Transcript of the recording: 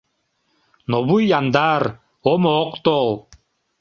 Но вуй яндар, омо ок тол.